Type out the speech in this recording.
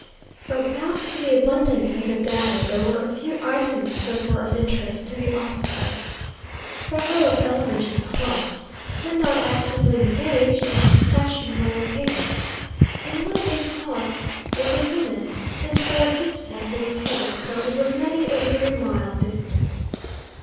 From out of the abundance of the data there were a few items that were of interest to the officer. Several of Eldridge's haunts when not actively engaged in his profession were located. In one of these haunts was a woman, and toward this one he was heading, though it was many a weary mile distant.